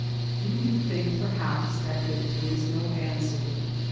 Do you think perhaps that there is no answer?